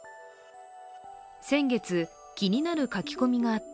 先月、気になる書き込みがあった。